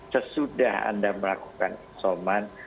sesudah anda melakukan isoman